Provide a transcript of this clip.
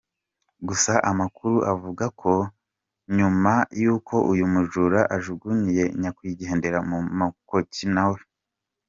Gusa amakuru avuga ko nyuma y’uko uyu mujura ajugunyiye nyakwigendera mu mukoki nawe.